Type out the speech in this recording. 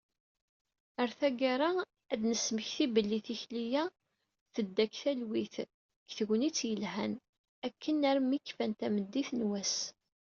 Ɣer taggara, ad d-nesmekti belli tikli-a, tedda deg talwit d tegnit yelhan, akken armi kfan tameddit n wass.